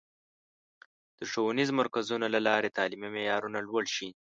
د ښوونیزو مرکزونو له لارې تعلیمي معیارونه لوړ شي.